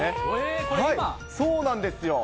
そうなんですよ。